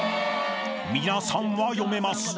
［皆さんは読めますか？］